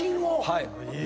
はい。